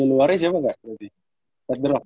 luar isi apa gak